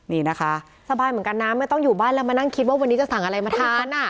นี่นะคะสบายเหมือนกันนะไม่ต้องอยู่บ้านแล้วมานั่งคิดว่าวันนี้จะสั่งอะไรมาทานอ่ะ